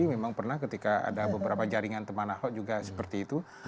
memang pernah ketika ada beberapa jaringan teman ahok juga seperti itu